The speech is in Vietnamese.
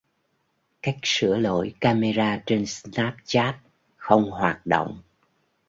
Cách sửa lỗi camera trên Snapchat không hoạt động